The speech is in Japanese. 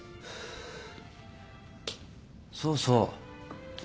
そうそう。